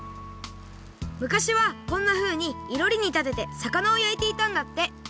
昔はこんなふうにいろりにたててさかなをやいていたんだって！